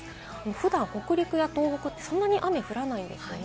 普段、北陸や東北、そんなに雨降らないんですよね。